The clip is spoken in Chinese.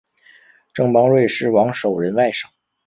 郑邦瑞是王守仁外甥。